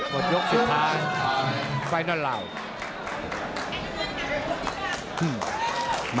กดยกสุดท้ายไฟนัลลาวด์